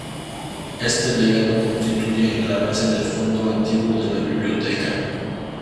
Este legado constituye la base del fondo antiguo de la Biblioteca.